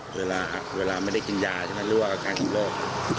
เวลาค่ะเวลาไม่ได้กินยาใช่มั้ยหรือว่าการกินโรค